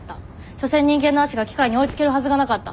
所詮人間の足が機械に追いつけるはずがなかった。